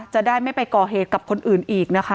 จะได้ไม่ไปก่อเหตุกับคนอื่นอีกนะคะ